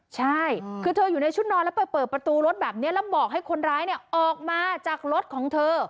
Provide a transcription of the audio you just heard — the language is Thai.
ใช่คือเธออยู่ในชุดนอนแล้วไปเปิดประตูรถแบบนี้แล้วบอกให้คนร้ายเนี่ยออกมาจากรถของเธอ